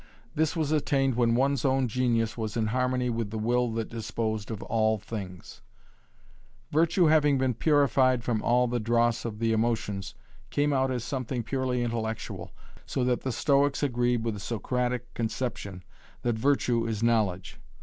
This was attained when one's own genius was in harmony with the will that disposed of all things. Virtue having been purified from all the dross of the emotions, came out as something purely intellectual, so that the Stoics agreed with the Socratic conception that virtue is knowledge.